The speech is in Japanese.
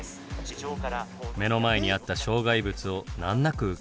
目の前にあった障害物を難なく迂回しました。